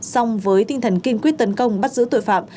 xong với tinh thần kiên quyết tấn công bắt giữ tội phạm